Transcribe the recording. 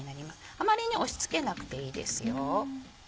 あまり押し付けなくていいですよ。